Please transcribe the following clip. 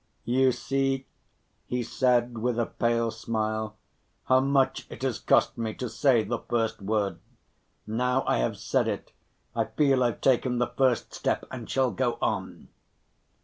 "You see," he said, with a pale smile, "how much it has cost me to say the first word. Now I have said it, I feel I've taken the first step and shall go on."